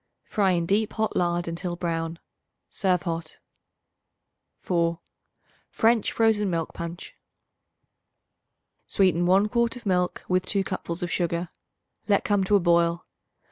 Fry in deep hot lard until brown. Serve hot. 4. French Frozen Milk Punch. Sweeten 1 quart of milk with 2 cupfuls of sugar; let come to a boil.